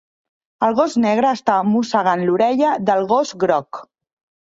El gos negre està mossegant l'orella del gos groc.